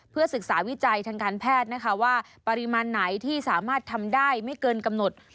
ศึกษาวิจัยทางการแพทย์นะคะว่าปริมาณไหนที่สามารถทำได้ไม่เกินกำหนด